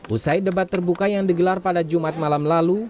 usai debat terbuka yang digelar pada jumat malam lalu